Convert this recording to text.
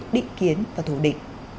định kiến và thủ định